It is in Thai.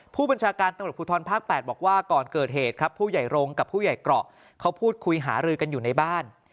ผู้บัญชาการตำรวจภูทรภาค๘บอกว่าก่อนเกิดเหตุครับผู้ใหญ่รงค์กับผู้ใหญ่เกราะเขาพูดคุยหารือกันอยู่ในบ้าน